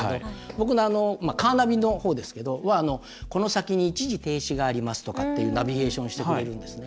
僕、カーナビのほうはこの先に一時停止がありますとかっていうナビゲーションをしてくれるんですね。